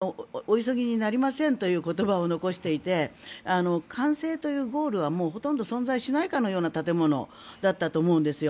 神は決してお急ぎになりませんという言葉を残していて完成というゴールはほとんど存在しないかのような建物だったと思うんですよ。